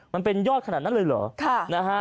มันเป็นยอดขนาดนั้นเลยเหรอ